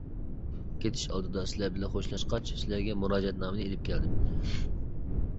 كېتىش ئالدىدا سىلەر بىلەن خوشلاشقاچ، سىلەرگە مۇراجىئەتنامىنى ئېلىپ كەلدىم.